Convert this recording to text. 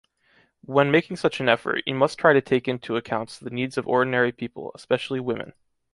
When making such an effort, you must try to take into account the needs of ordinary people, especially women.